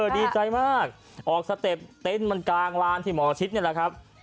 ดีใจมากออกสเต็ปเต็นต์มันกลางลานที่หมอชิดนี่แหละครับ